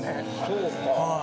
そうか。